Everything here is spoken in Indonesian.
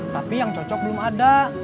tapi yang cocok belum ada